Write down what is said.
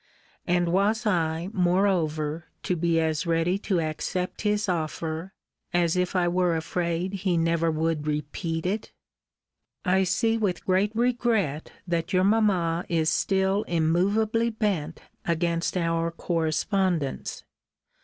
And was I, moreover, to be as ready to accept his offer as if I were afraid he never would repeat it? I see with great regret that your mamma is still immovably bent against our correspondence.